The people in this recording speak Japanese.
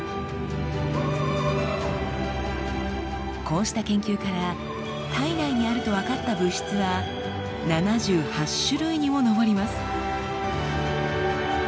こうした研究から体内にあると分かった物質は７８種類にも上ります。